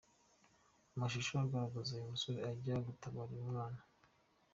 Amashusho agaragaza uyu musore ajya gutabara uyu mwana.